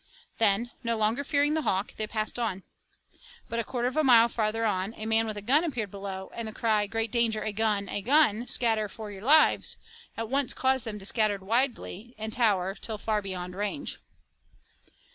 Then, no longer fearing the hawk, they passed on. But a quarter of a mile farther on a man with a gun appeared below, and the cry, 'Great danger a gun, a gun; scatter fur your lives,' at once caused them to scatter widely and tower till far beyond range.